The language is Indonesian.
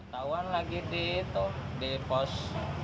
tawar lagi di pos